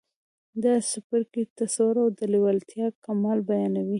دا څپرکی تصور او د لېوالتیا کمال بيانوي.